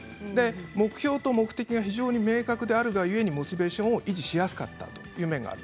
目標と目的が非常に明確であるが故にモチベーションを維持しやすかったという面がある。